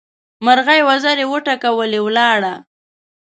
مرغۍ وزرې وټکولې؛ ولاړه.